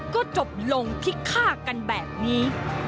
ก็จบลงที่ฆ่ากันแบบนี้